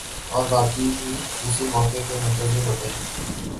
اور بھارتی بھی اسی موقع کے منتظر ہوتے ہیں۔